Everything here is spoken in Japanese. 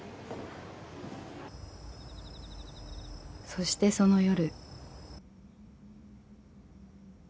［そしてその夜］